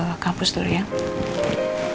aku yang harus yang berterima kasih